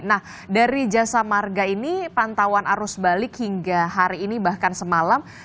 nah dari jasa marga ini pantauan arus balik hingga hari ini bahkan semalam